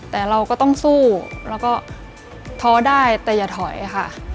แต่เราก็ต้องสู้แล้วก็ท้อได้แต่อย่าถอยค่ะ